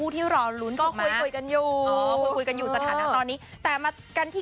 ถูกต้องมีการเตรียมกันหรือเปล่าอย่างนี้คำถามมิมิแน่